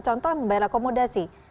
contoh membayar akomodasi